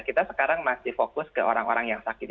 kita sekarang masih fokus ke orang orang yang sakit